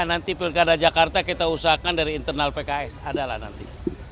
nanti pilkada jakarta kita usahakan dari internal pks adalah nanti